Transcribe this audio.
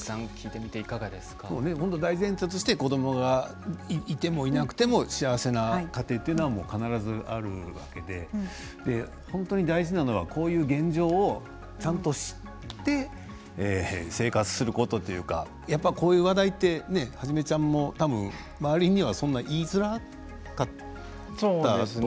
大前提として子どもがいてもいなくても幸せな家庭というのは必ずあるわけで本当に大事なのはこういう現状をちゃんと知って生活することというかこういう話題ってハジメちゃんも多分、周りにはそんなに言いづらかったと思うんですよね。